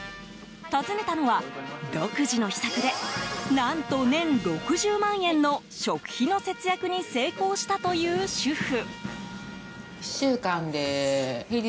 訪ねたのは、独自の秘策で何と年６０万円の食費の節約に成功したという主婦。